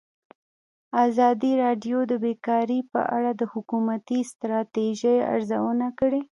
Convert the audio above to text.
ازادي راډیو د بیکاري په اړه د حکومتي ستراتیژۍ ارزونه کړې.